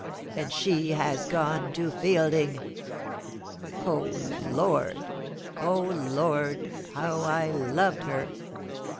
... And she has gone to Fielding. O Lord ! O Lord ! how I loved her